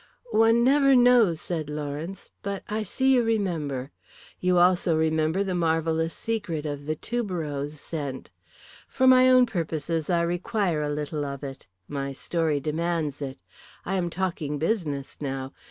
"One never knows," said Lawrence. "But I see you remember. You also remember the marvellous secret of the tuberose scent. For my own purposes I require a little of it, my story demands it. I am talking business now.